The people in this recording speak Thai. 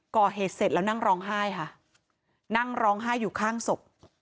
ก่อเหตุเสร็จแล้วนั่งร้องไห้ค่ะนั่งร้องไห้อยู่ข้างศพ